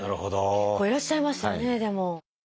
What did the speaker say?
結構いらっしゃいますよねでも。